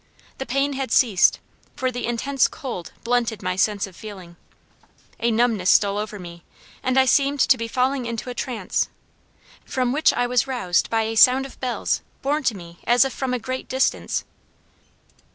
The pain had ceased, for the intense cold blunted my sense of feeling. A numbness, stole over me, and I seemed to be falling into a trance, from which I was roused by a sound of bells borne to me as if from a great distance.